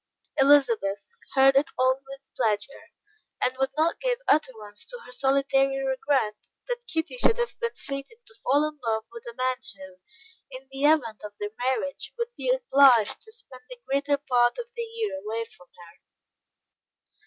Elizabeth heard it all with pleasure, and would not give utterance to her solitary regret, that Kitty should have been fated to fall in love with a man who, in the event of their marriage, would be obliged to spend the greater part of the year away from her.